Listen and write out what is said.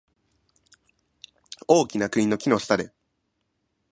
大きな栗の木の下で